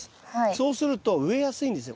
そうすると植えやすいんですよ